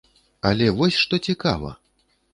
Але вось што цікава!